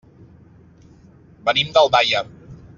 Venim d'Aldaia.